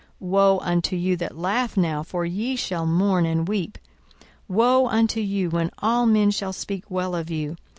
Woe unto you that laugh now! for ye shall mourn and weep. 42:006:026 Woe unto you, when all men shall speak well of you!